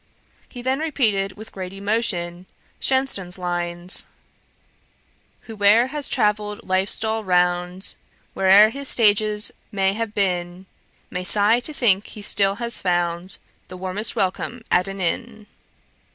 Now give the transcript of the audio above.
He then repeated, with great emotion, Shenstone's lines: 'Whoe'er has travell'd life's dull round, Where'er his stages may have been, May sigh to think he still has found The warmest welcome at an inn.'